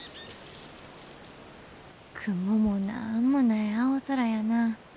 雲もなんもない青空やな。